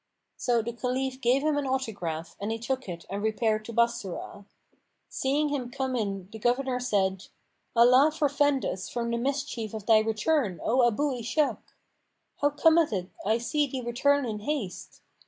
So the Caliph gave him an autograph and he took it and repaired to Bassorah. Seeing him come in the governor said, "Allah forfend us from the mischief of thy return, O Abu Ishak! How cometh it I see thee return in haste?